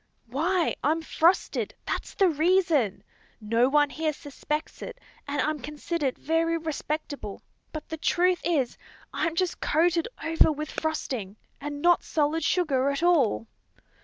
"Why, I'm frosted, that's the reason. No one here suspects it, and I'm considered very respectable; but the truth is, I'm just coated over with frosting, and not solid sugar at all."